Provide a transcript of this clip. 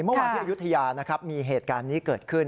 เมื่อวานที่อายุทยานะครับมีเหตุการณ์นี้เกิดขึ้น